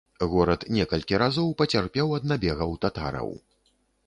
Горад некалькі разоў пацярпеў ад набегаў татараў.